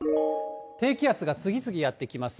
低気圧が次々やって来ます。